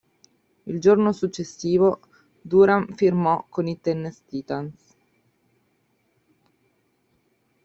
Il giorno successivo, Durham firmò coi Tennessee Titans.